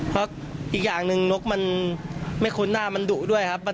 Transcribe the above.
เพราะอีกอย่างหนึ่งนกมันไม่คุ้นหน้ามันดุด้วยครับ